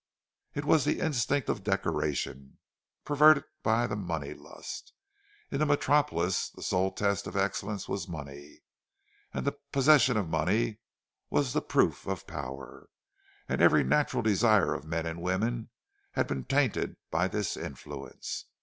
It was the instinct of decoration, perverted by the money lust. In the Metropolis the sole test of excellence was money, and the possession of money was the proof of power; and every natural desire of men and women had been tainted by this influence.